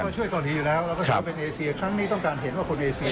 ช่วยเกาหลีอยู่แล้วเราก็ช่วยเป็นเอเซียครั้งนี้ต้องการเห็นว่าคนเอเซีย